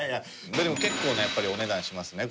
でも結構なやっぱりお値段しますね